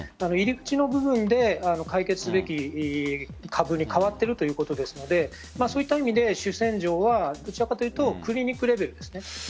入り口の部分で解決すべき株に変わっているということですのでそういった意味で主戦場はどちらかというとクリニックレベルです。